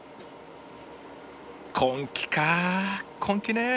根気か根気ね。